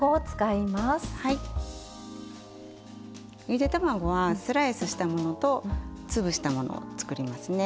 ゆで卵はスライスしたものとつぶしたものを作りますね。